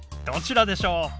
どちらでしょう？